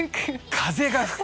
風が吹く？